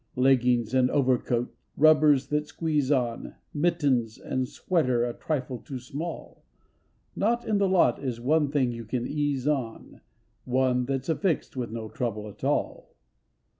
Leggings and overcoat, rubbers that squeeze on, Mittens and sweater a trifle too small; Not in the lot is one thing you can ease on, One that's affixed with no trouble at all.